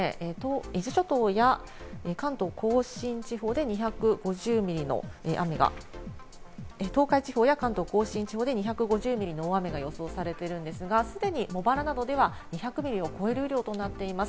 雨量が伊豆諸島や関東甲信地方で２５０ミリの雨が、東海地方や関東甲信地方で２５０ミリの大雨が予想されていますが、既に茂原などでは２００ミリを超える量となっています。